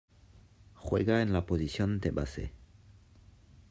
Juega en la posición de base.